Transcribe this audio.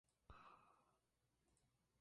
En todos canta y toca el bajo.